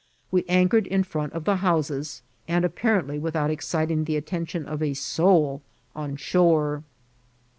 We anchored in frt>nt of the houses, and apparently without exciting the attention of a soul on shore.